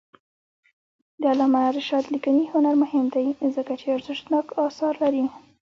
د علامه رشاد لیکنی هنر مهم دی ځکه چې ارزښتناک آثار لري.